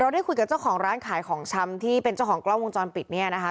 ได้คุยกับเจ้าของร้านขายของชำที่เป็นเจ้าของกล้องวงจรปิดเนี่ยนะคะ